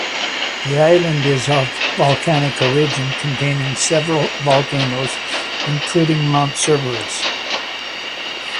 The island is of volcanic origin, containing several volcanoes including Mount Cerberus.